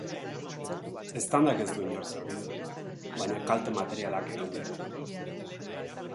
Eztandak ez du inor zauritu, baina kalte materialak egin ditu.